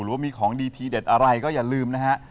ว่ามีของดีทีเด็ดอะไรก็อย่าลืมนะฮะ